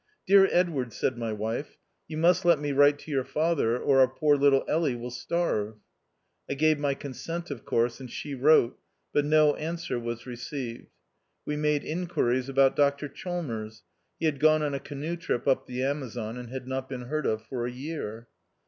"Dear Edward," said my wife, "you must let me write to your father, or our poor little Elly will starve." I gave my consent, of course, and she wrote ; but no answer was received. We made inquiries about Dr Chalmers. He had gone on a canoe voyage up the Amazon, and had not been heard of for a year.